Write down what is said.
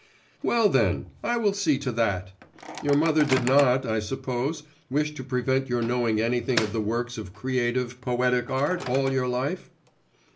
'Well, then, I will see to that! Your mother did not, I suppose, wish to prevent your knowing anything of the works of creative, poetic art all your life?